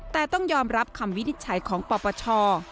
แต่ต้องยอมรับคำวินิจฉัยของปปช